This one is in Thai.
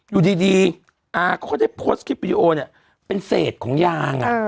อยู่ดีเป็นเศษของยาง